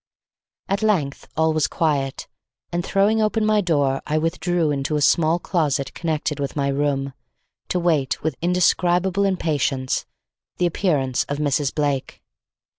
At length all was quiet, and throwing open my door, I withdrew into a small closet connected with my room, to wait with indescribable impatience, the appearance of Mrs. Blake.